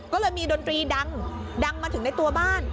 ก็เลยมีดนตรีดังดังมาถึงในตัวบ้าน